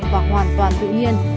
và hoàn toàn tự nhiên